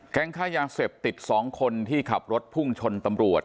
ค่ายาเสพติด๒คนที่ขับรถพุ่งชนตำรวจ